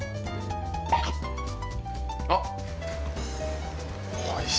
あっ！